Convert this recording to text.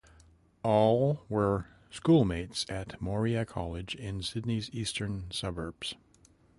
All were school mates at Moriah College in Sydney's eastern suburbs.